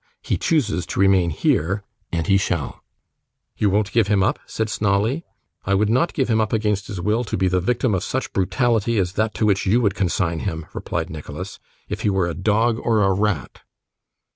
He chooses to remain here, and he shall.' 'You won't give him up?' said Snawley. 'I would not give him up against his will, to be the victim of such brutality as that to which you would consign him,' replied Nicholas, 'if he were a dog or a rat.